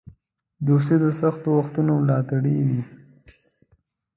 دوستي د سختو وختونو ملاتړی وي.